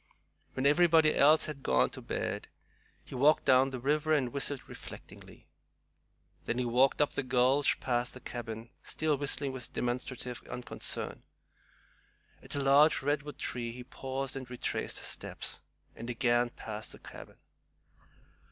When everybody else had gone to bed, he walked down to the river and whistled reflectingly. Then he walked up the gulch past the cabin, still whistling with demonstrative unconcern. At a large redwood tree he paused and retraced his steps, and again passed the cabin.